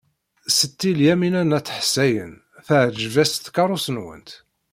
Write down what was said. Setti Lyamina n At Ḥsayen teɛjeb-as tkeṛṛust-nwent.